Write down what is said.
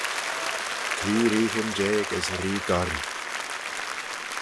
Tree reeaghyn jeig as Ree Gorree.